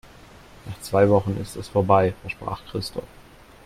Nach zwei Wochen ist es vorbei, versprach Christoph.